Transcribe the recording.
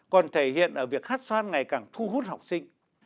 còn thể hiện ở việc hét xoan ngày càng thu hút học sinh